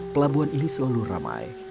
pelabuhan ini selalu ramai